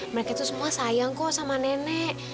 mereka itu semua sayang kok sama nenek